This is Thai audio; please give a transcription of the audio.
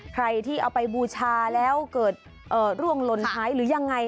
ใครที่เอาไปบูชาแล้วเกิดร่วงหล่นหายหรือยังไง